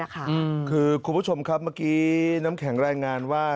คือคุณผู้ชมครับเมื่อกี้น้ำแข็งรายงานว่า